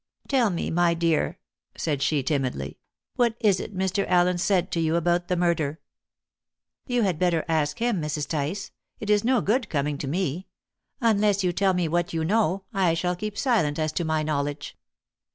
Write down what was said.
"Tell me, my dear," said she timidly, "what is it Mr. Allen said to you about the murder?" "You had better ask him, Mrs. Tice; it is no good coming to me. Unless you tell me what you know, I shall keep silent as to my knowledge."